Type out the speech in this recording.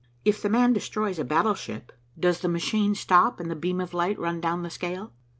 "If 'the man' destroys a battleship, does the machine stop and the beam of light run down the scale."